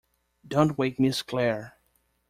Don't wake Miss Clare.